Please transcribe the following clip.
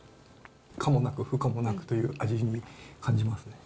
可もなく不可もなくという味に感じますね。